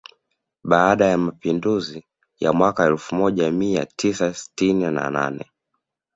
Baada ya mapinduzi ya mwaka elfu moja mia tisa sitini na nne